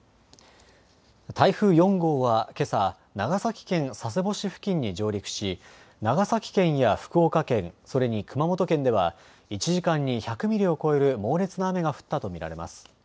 台風４号はけさ長崎県佐世保市付近に上陸し長崎県や福岡県、それに熊本県では１時間に１００ミリを超える猛烈な雨が降ったと見られます。